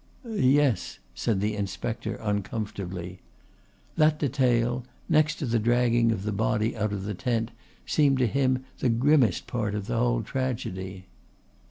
"Yes," said the Inspector uncomfortably. That detail, next to the dragging of the body out of the tent, seemed to him the grimmest part of the whole tragedy.